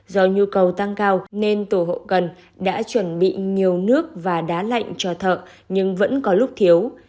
do nhu cầu tăng cao nên tổ hậu cần đã chuẩn bị nhiều nước và đá lạnh cho thợ nhưng vẫn có lúc thiếu